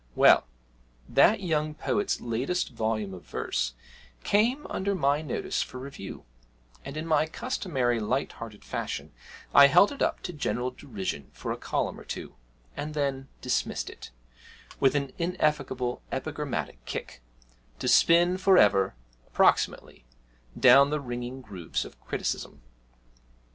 Well, that young poet's latest volume of verse came under my notice for review, and in my customary light hearted fashion I held it up to general derision for a column or two, and then dismissed it, with an ineffaceable epigrammatic kick, to spin for ever (approximately) down the ringing grooves of criticism.